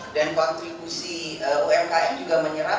dan kontribusi umki juga mencapai